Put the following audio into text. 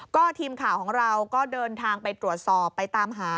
ก็ทีมข่าวของเราก็เดินทางไปตรวจสอบไปตามหา